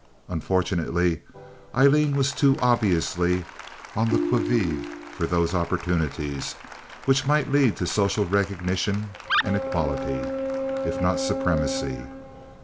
Unfortunately, Aileen was too obviously on the qui vive for those opportunities which might lead to social recognition and equality, if not supremacy.